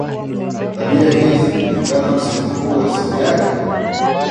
Tabia hizi kulingana msemo huu asili yake